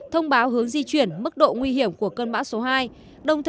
thông báo hướng di chuyển mức độ nguy hiểm của cơn bão số hai